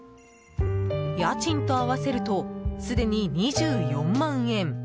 家賃と合わせるとすでに２４万円。